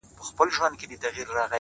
په خندا پاڅي په ژړا يې اختتام دی پيره،